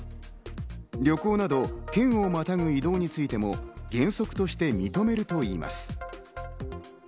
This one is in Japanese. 旅行など県をまたぐ移動についても原則として認めるといいます。